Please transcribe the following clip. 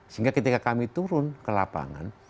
sehingga ketika kami turun ke lapangan